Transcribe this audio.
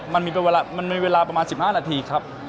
มันมีเวลาประมาณ๑๕นาทีครับ